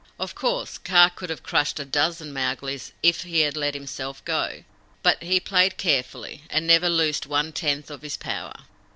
Of course, Kaa could have crushed a dozen Mowglis if he had let himself go; but he played carefully, and never loosed one tenth of his power.